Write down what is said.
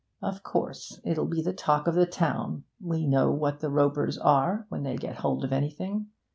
Of course, it'll be the talk of the town; we know what the Ropers are when they get hold of anything.